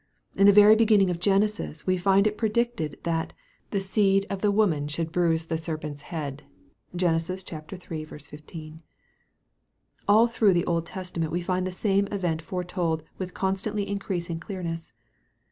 In the very beginning of Genesis we find it predicted that " the seed of the woman should bruise the serpent's head." (Gen. iii. 15.) All through the Old Testament we find the same event foretold with constantly increasing clearness.